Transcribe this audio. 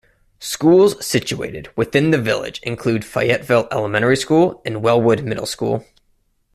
Schools situated within the village include Fayetteville Elementary School and Wellwood Middle School.